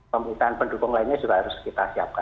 pemerintahan pendukung lainnya juga harus kita siapkan